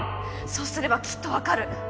そうすればきっとわかる。